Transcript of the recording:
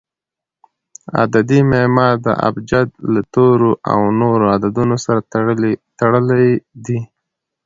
عددي معما د ابجد له تورو او نورو عددونو سره تړلي دي.